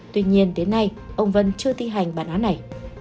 tuy nhiên đến nay ông vân chưa thi hành bản án này